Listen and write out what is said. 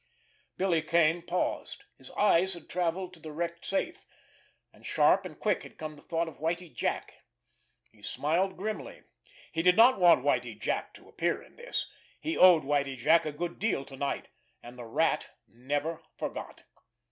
Billy Kane paused. His eyes had travelled to the wrecked safe—and sharp and quick had come the thought of Whitie Jack. He smiled grimly. He did not want Whitie Jack to appear in this. He owed Whitie Jack a good deal to night—and the "Rat" never forgot!